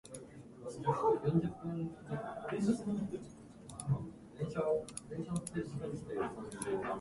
あはふうふ